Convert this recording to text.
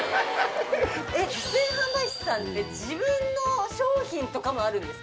実演販売士さんって自分の商品とかもあるんですか？